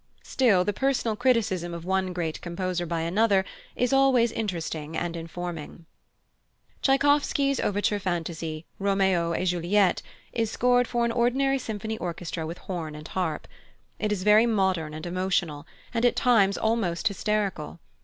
Still, the personal criticism of one great composer by another is always interesting and informing. Tschaikowsky's Overture Fantaisie, Roméo et Juliette, is scored for an ordinary symphony orchestra with horn and harp. It is very modern and very emotional, and at times almost hysterical.